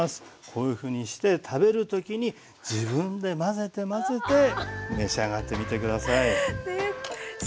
こういうふうにして食べる時に自分で混ぜて混ぜて召し上がってみて下さい。